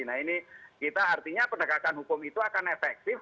nah ini kita artinya penegakan hukum itu akan efektif